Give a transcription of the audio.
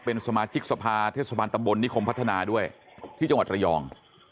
เป็นสมาชิกสภาเทศบาลตำบลนิคมพัฒนาด้วยที่จังหวัดระยอง